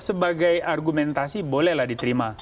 sebagai argumentasi bolehlah diterima